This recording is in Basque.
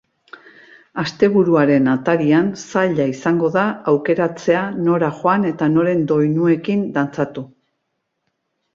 Asteburuaren atarian, zaila izango da aukeratzea nora joan eta noren doinuekin dantzatu.